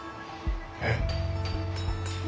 えっ。